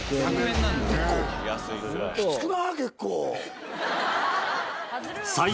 きつくない？